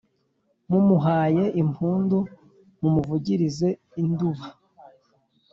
mumuhaye impundu, mumuvugirize induba